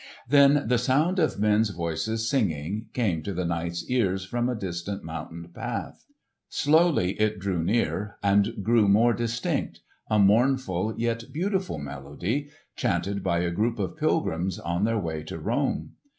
Then the sound of men's voices singing came to the knight's ears from a distant mountain path. Slowly it drew near and grew more distinct—a mournful yet beautiful melody chanted by a group of pilgrims on their way to Rome.